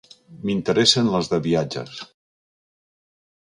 M'interessen les de viatges.